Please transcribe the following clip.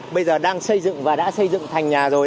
bây giờ đang xây dựng và đã xây dựng thành nhà rồi